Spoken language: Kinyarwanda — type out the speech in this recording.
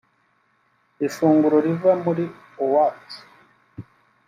Ifunguro riva muri oat